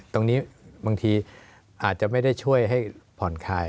บางทีอาจจะไม่ได้ช่วยให้ผ่อนคลาย